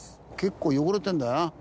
結構汚れてるんだよな。